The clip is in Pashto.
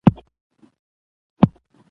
ساکني قیدونه په پښتو کې ډېر ډولونه لري.